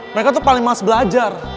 mereka tuh paling mas belajar